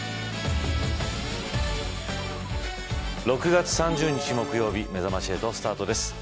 ６月３０日、木曜日めざまし８スタートです。